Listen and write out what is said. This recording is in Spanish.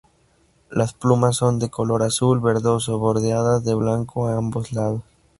Las plumas son de un color azul-verdoso, bordeadas de blanco a ambos lados.